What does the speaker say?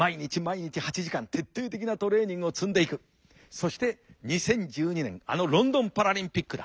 そして２０１２年あのロンドンパラリンピックだ。